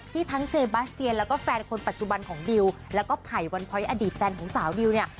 ทั้งเซบาสเตียนแล้วก็แฟนคนปัจจุบันของดิวแล้วก็ไผ่วันพ้อยอดีตแฟนของสาวดิวเนี่ย